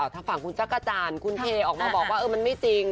ทางฝั่งคุณจักรจานคุณเคออกมาบอกว่ามันไม่จริง